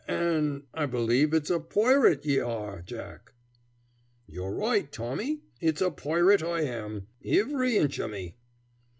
"A an' I believe it's a poirate ye are, Jack." "You're roight, Tommy; it's a poirate I am, ivery inch o' me!"